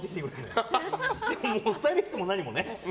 スタイリストも何もね。